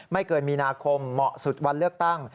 เกินมีนาคมเหมาะสุดวันเลือกตั้ง